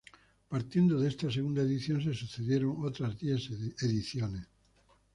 Partiendo de esta segunda edición se sucedieron otras diez ediciones.